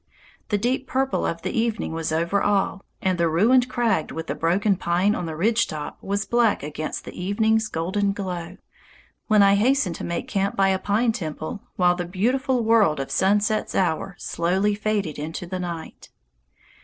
The deep purple of evening was over all, and the ruined crag with the broken pine on the ridge top was black against the evening's golden glow, when I hastened to make camp by a pine temple while the beautiful world of sunset's hour slowly faded into the night.